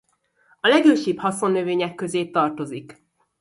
A legősibb haszonnövények közé tartozik.